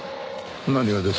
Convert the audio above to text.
何がです？